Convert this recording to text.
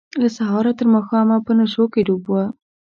له سهاره تر ماښامه په نشو کې ډوب وه.